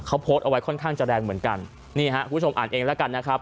เขาโพสต์เอาไว้ค่อนข้างจะแรงเหมือนกันนี่ฮะคุณผู้ชมอ่านเองแล้วกันนะครับ